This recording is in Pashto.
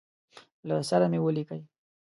له سره مي ولیکی.